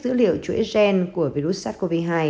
dữ liệu chuỗi gen của virus sars cov hai